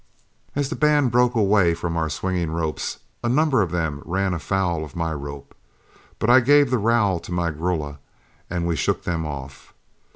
As the band broke away from our swinging ropes, a number of them ran afoul of my rope; but I gave the rowel to my grulla, and we shook them off.